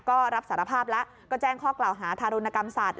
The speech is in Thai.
ก็รับสารภาพแล้วก็แจ้งข้อกล่าวหาทารุณกรรมสัตว